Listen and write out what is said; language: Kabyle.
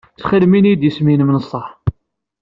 Ttxil-m ini-yid isem-im n ṣṣeḥ.